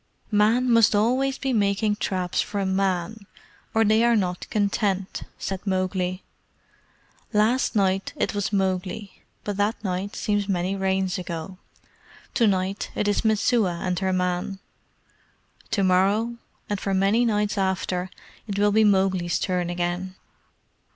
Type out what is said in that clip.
"Men must always be making traps for men, or they are not content," said Mowgli. "Last night it was Mowgli but that night seems many Rains ago. To night it is Messua and her man. To morrow, and for very many nights after, it will be Mowgli's turn again."